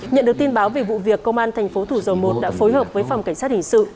nhận được tin báo về vụ việc công an thành phố thủ dầu một đã phối hợp với phòng cảnh sát hình sự